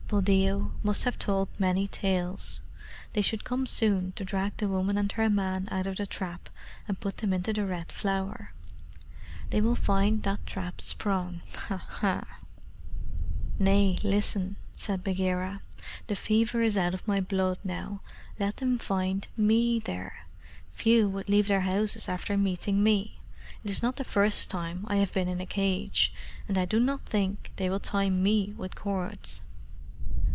"Buldeo must have told many tales. They should come soon to drag the woman and her man out of the trap and put them into the Red Flower. They will find that trap sprung. Ho! ho!" "Nay, listen," said Bagheera. "The fever is out of my blood now. Let them find ME there! Few would leave their houses after meeting me. It is not the first time I have been in a cage; and I do not think they will tie ME with cords."